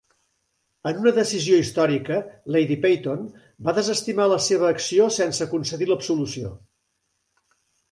En una decisió històrica, Lady Paton va desestimar la seva acció sense concedir l'absolució.